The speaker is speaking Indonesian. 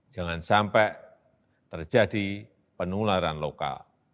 jangan sampai terjadi penularan lokal